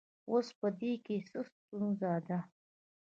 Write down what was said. اوس په دې کې څه ستونزه ده